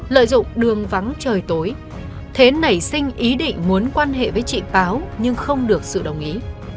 lợi dụng đường vắng trời tối thế nảy sinh ý định muốn quan hệ với chị báo nhưng không được sự đồng ý